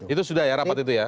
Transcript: itu sudah ya rapat itu ya